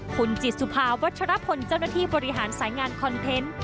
คุณจิตสุภาวัชรพลเจ้าหน้าที่บริหารสายงานคอนเทนต์